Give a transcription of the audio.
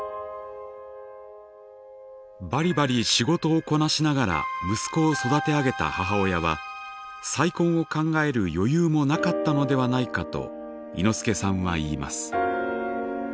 バリバリ仕事をこなしながら息子を育て上げた母親は再婚を考える余裕もなかったのではないかといのすけさんは言います。